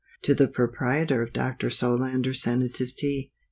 _To the Proprietor of Dr. Solander's Sanative Tea.